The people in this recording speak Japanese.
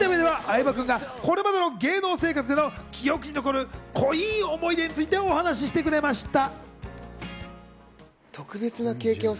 インタビューでは相葉君がこれまでの芸能生活での記憶に残る濃い思い出についてお話してくれました。